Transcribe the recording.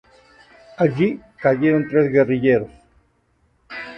Allí, cayeron tres guerrilleros.